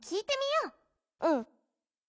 うん。